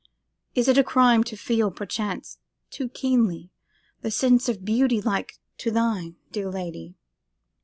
Is it a crime to feel, perchance too keenly, the sense of beauty like to thine, dear lady?